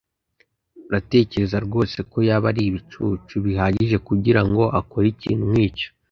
Uratekereza rwose ko yaba ari ibicucu bihagije kugirango akore ikintu nkicyo?